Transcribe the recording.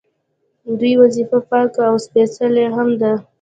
دوی وظیفه پاکه او سپیڅلې هم ده.